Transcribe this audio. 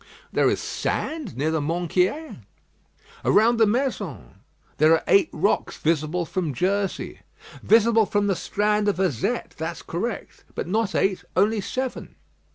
"There is sand near the Minquiers?" "Around the Maisons." "There are eight rocks visible from Jersey." "Visible from the strand of Azette; that's correct: but not eight; only seven."